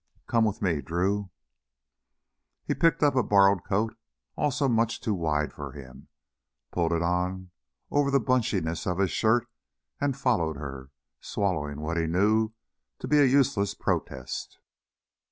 Come with me, Drew!" He picked up a borrowed coat, also much too wide for him, pulled it on over the bunchiness of his shirt, and followed her, swallowing what he knew to be a useless protest.